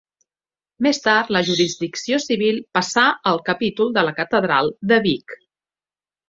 Més tard la jurisdicció civil passà al capítol de la catedral de Vic.